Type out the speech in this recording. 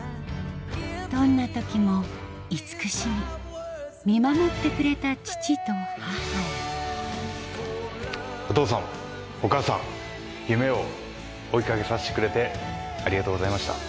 どんな時も慈しみ見守ってくれた父と母へお父さんお母さん夢を追い掛けさせてくれてありがとうございました。